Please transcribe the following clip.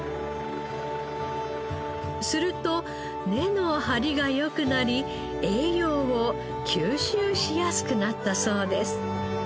すると根の張りが良くなり栄養を吸収しやすくなったそうです。